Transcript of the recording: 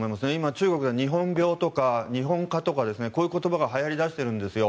中国では今、日本病とか日本化とか、こういう言葉がはやり出してるんですよ。